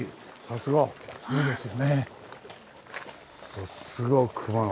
さすが熊野。